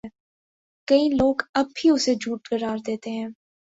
کئی لوگ اب بھی اسے جھوٹ قرار دیتے ہیں